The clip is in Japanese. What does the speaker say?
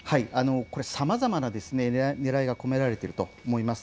さまざまなねらいが込められていると思います。